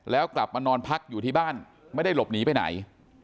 แล้วกลับมานอนพักอยู่ที่บ้านไม่ได้หลบหนีไปไหน